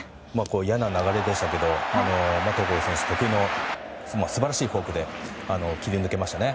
嫌な流れでしたが戸郷選手得意の素晴らしいフォークで切り抜けましたね。